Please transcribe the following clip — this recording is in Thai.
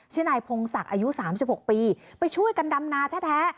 นายพงศักดิ์อายุ๓๖ปีไปช่วยกันดำนาแท้